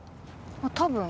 多分。